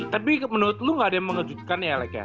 tapi menurut lu nggak ada yang mengejutkan ya elek ya